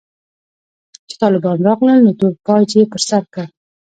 چې طالبان راغلل نو تور پاج يې پر سر کړ.